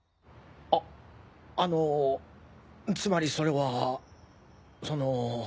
ああのつまりそれはその。